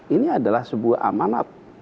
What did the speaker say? ini adalah sebuah amanat